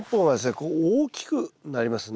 こう大きくなりますね。